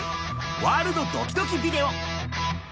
ワールドドキドキビデオ。